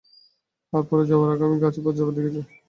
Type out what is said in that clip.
আর পড়ে যাওয়ার আগে, - আমি গাছে বজ্রপাত দেখেছি।